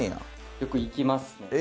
よく行きますね。